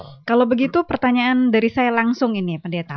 oke kalau begitu pertanyaan dari saya langsung ini pendeta